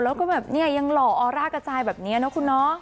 แล้วก็ยังหล่ออร่ากระจายแบบนี้นะคุณน้อง